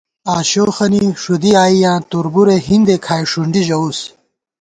عاشوخَنی ݭُدی آنُساں تُربُورے، ہِندےکھائی ݭُنڈی ݫَوُس